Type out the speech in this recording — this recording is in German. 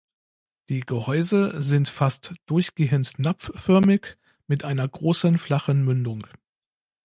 Die Gehäuse sind fast durchgehend napfförmig mit einer großen flachen Mündung.